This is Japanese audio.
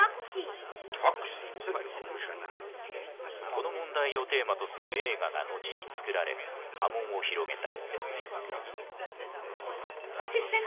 この問題をテーマとする映画が後に作られ波紋を広げた。